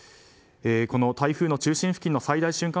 この台風の中心付近の最大瞬間